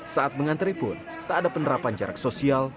saat mengantri pun tak ada penerapan jarak sosial